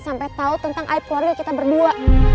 sampai tahu tentang aib keluarga kita berdua